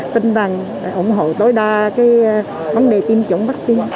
tin rằng ủng hộ tối đa cái vấn đề tiêm chủng vắc xin